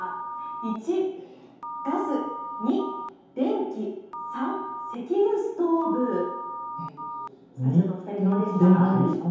１、ガス、２、電気、３、石油ストーブ、スタジオのお二人、どうでしょうか。